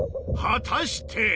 果たして。